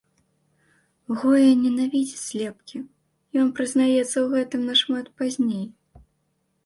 Гоя ненавідзіць злепкі, ён прызнаецца ў гэтым нашмат пазней.